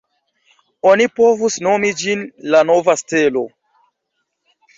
Oni povus nomi ĝin la “Nova Stelo”.